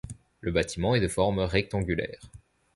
Le bâtiment est de forme rectangulaire.